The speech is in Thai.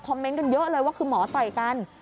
เมนต์กันเยอะเลยว่าคือหมอต่อยกัน